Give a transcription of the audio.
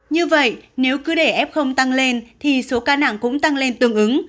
như vậy nếu cứ để f tăng lên thì số ca nặng cũng tăng lên tương ứng